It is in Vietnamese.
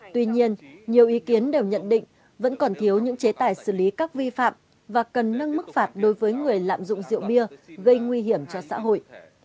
tuy nhiên nhiều ý kiến đều nhận định vẫn còn thiếu những chế tài xử lý các vi phạm và cần nâng mức phạt đối với người lạm dụng rượu bia gây nguy hiểm cho xã hội